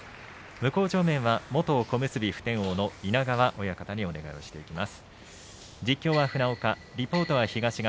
向正面は元小結普天王の稲川親方にお願いしていきます。